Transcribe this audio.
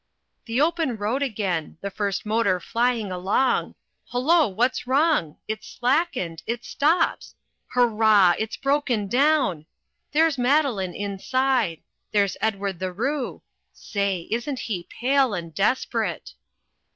The open road again the first motor flying along! Hullo, what's wrong? It's slackened, it stops hoorah! it's broken down there's Madeline inside there's Edward the Roo! Say! isn't he pale and desperate!